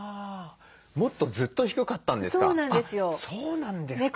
もっとずっと低かったんですか？